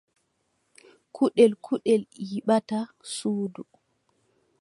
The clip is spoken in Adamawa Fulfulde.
Kuɗel kuɗel nyiɓata suudu.